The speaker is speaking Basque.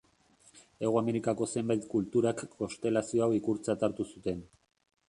Hego Amerikako zenbait kulturak konstelazio hau ikurtzat hartu zuten.